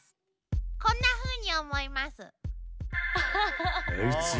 こんなふうに思います。